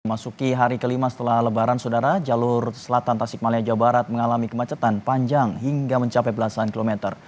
masuki hari kelima setelah lebaran saudara jalur selatan tasik malaya jawa barat mengalami kemacetan panjang hingga mencapai belasan kilometer